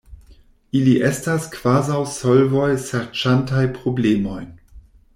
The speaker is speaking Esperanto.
Ili estas kvazaŭ solvoj serĉantaj problemojn.